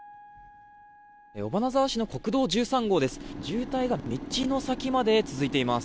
尾花沢市の国道１３号です。